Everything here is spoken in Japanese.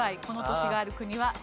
この都市がある国は？